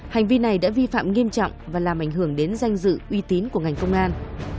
hành vi này đã vi phạm nghiêm trọng và làm ảnh hưởng đến danh dự uy tín của ngành công an